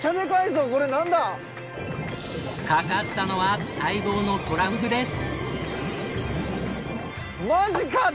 かかったのは待望のトラフグです！